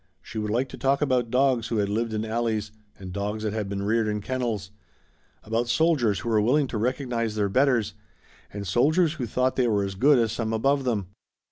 She would like to talk about dogs who had lived in alleys and dogs that had been reared in kennels, about soldiers who were willing to recognize their betters and soldiers who thought they were as good as some above them.